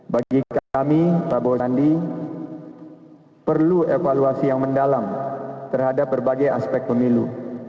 bagi kami prabowo sandi perlu evaluasi yang mendalam terhadap berbagai aspek pemilu